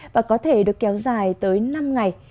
và có thể được kéo dài tới năm ngày